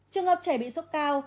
trường hợp trẻ bị sốt cao